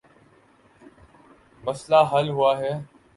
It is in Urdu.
مسئلہ حل ہوا ہے۔